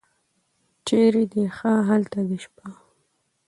چېرې دې ښه هلته دې شپه.